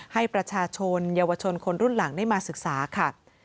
ให้ประชาชนเยาวชนคนรุ่นหลังได้มาศึกษาค่ะ